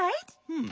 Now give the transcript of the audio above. うん。